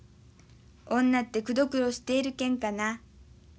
女ってくどくどしているけんかな。